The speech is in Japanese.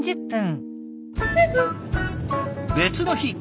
別の日。